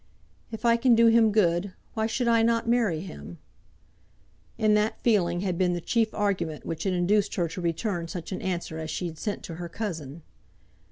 "If I can do him good why should I not marry him?" In that feeling had been the chief argument which had induced her to return such an answer as she had sent to her cousin.